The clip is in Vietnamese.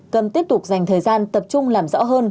cần tiếp tục dành thời gian tập trung làm rõ hơn